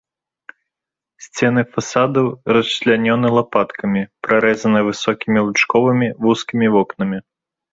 Сцены фасадаў расчлянёны лапаткамі, прарэзаны высокімі лучковымі вузкімі вокнамі.